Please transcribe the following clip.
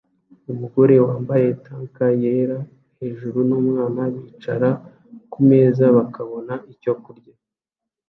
Umugore wambaye tank yera hejuru numwana bicara kumeza bakabona icyo kurya